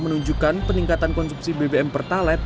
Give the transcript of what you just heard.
menunjukkan peningkatan konsumsi bbm pertalet